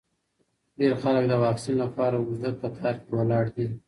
ډېر خلک د واکسین لپاره اوږده کتار کې ولاړ دي.